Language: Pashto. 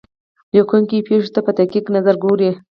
لیکونکی پېښو ته په دقیق نظر ګوري.